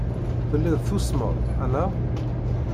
Telliḍ tusmeḍ, anaɣ?